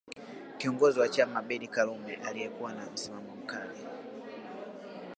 Kiongozi wa chama Abeid Karume asiyekuwa na msimamo mkali